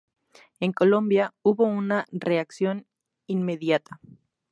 En Colombia hubo una reacción inmediata.